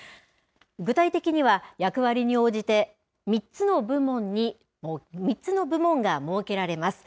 具体的には、役割に応じて３つの部門が設けられます。